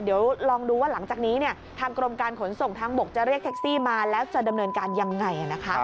เดี๋ยวลองดูว่าหลังจากนี้ทางกรมการขนส่งทางบกจะเรียกแท็กซี่มาแล้วจะดำเนินการยังไงนะคะ